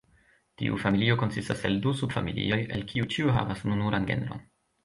Tiu familio konsistas el du subfamilioj, el kiu ĉiu havas ununuran genron.